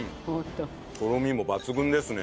とろみも抜群ですね